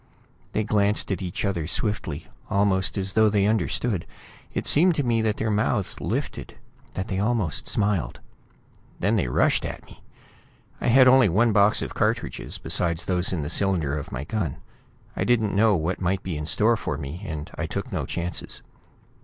They glanced at each other, swiftly, almost as though they understood. It seemed to me that their mouths lifted; that they almost smiled. Then they rushed at me. I had only one box of cartridges, besides those in the cylinder of my gun. I didn't know what might be in store for me, and I took no chances.